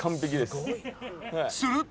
［すると］